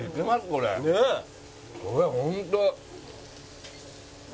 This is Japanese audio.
これホント。